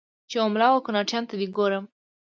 چې و مـــلا و کوناټیــــو ته دې ګورم